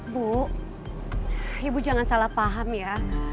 bu ibu jangan salah paham ya